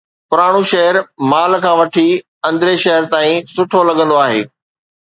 پراڻو شهر مال کان وٺي اندرين شهر تائين سٺو لڳندو آهي.